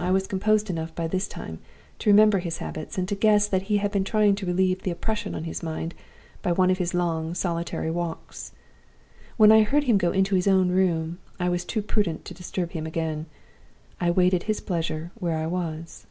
I was composed enough by this time to remember his habits, and to guess that he had been trying to relieve the oppression on his mind by one of his long solitary walks. When I heard him go into his own room, I was too prudent to disturb him again: I waited his pleasure where I was.